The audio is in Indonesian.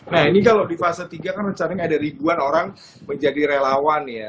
nah ini kalau di fase tiga kan rencananya ada ribuan orang menjadi relawan ya